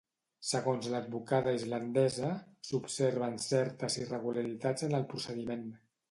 Segons l'advocada islandesa, s'observen certes irregularitats en el procediment.